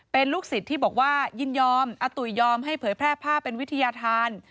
เป็นลูกศิษย์ที่บอกว่ายินยอมอาตุ๋ยยอมให้เผยแพร่ภาพเป็นวิทยาธาร